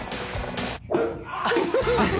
ハハハハ！